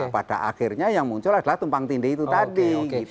pada akhirnya yang muncul adalah tumpang tindih itu tadi